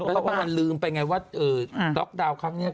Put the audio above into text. เพราะว่ามันลืมไปไงว่าล็อกดาวน์ครั้งนี้